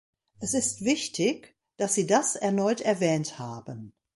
Es ist wichtig, dass Sie das erneut erwähnt haben.